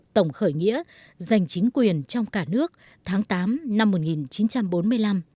tổng khởi nghĩa giành chính quyền trong cả nước tháng tám năm một nghìn chín trăm bốn mươi năm